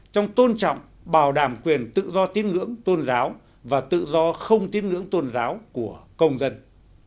trong tôn trọng bảo đảm quyền tự do tin ngưỡng tôn giáo và tự do không tin ngưỡng tôn giáo của các tổ chức